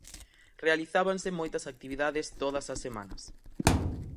Realizábanse moitas actividades todas as semanas.